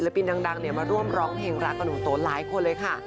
เพราะว่ามีศิลปินดังมาร่วมร้องเพลงรักกับหนูโตหลายคนเลยค่ะ